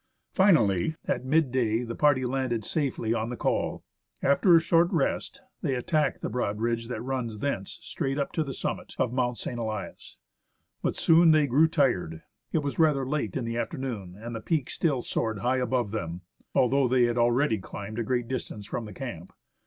Finally, at midday, the party landed safely on the col. After a short rest, they attacked the broad ridge that runs thence straight up to the summit of Mount St. Elias. But soon they grew tired. It was rather late in the afternoon, and the peak still soared high above them, although they had already climbed a great distance from the camp.